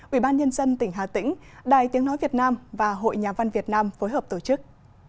ubnd tỉnh hà tĩnh đài tiếng nói việt nam và hội nhà văn việt nam phối hợp tổ chức